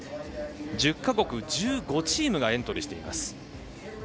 １０か国１５チームがエントリーしています。